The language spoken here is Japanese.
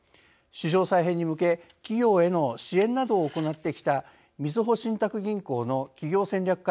市場再編に向け企業への支援などを行ってきたみずほ信託銀行の企業戦略